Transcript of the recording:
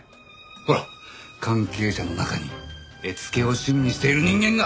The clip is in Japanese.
ほら関係者の中に絵付けを趣味にしている人間が！